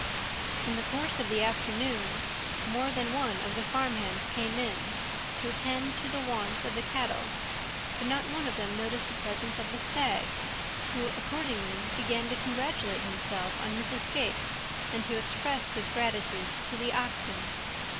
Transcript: In the course of the afternoon more than one of the farm hands came in, to attend to the wants of the cattle, but not one of them noticed the presence of the Stag, who accordingly began to congratulate himself on his escape and to express his gratitude to the Oxen.